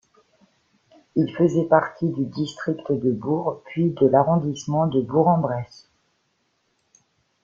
Il faisait partie du district de Bourg puis de l'arrondissement de Bourg-en-Bresse.